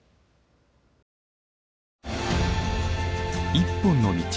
「一本の道」。